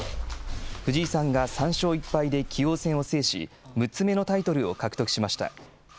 藤井さんが３勝１敗で棋王戦を制し、６つ目のタイトルを獲得しました。